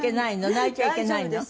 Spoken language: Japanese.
泣いちゃいけないの？